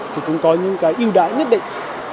thì cũng có những cái ưu đãi nhất định